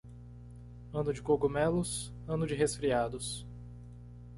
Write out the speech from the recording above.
Ano de cogumelos, ano de resfriados.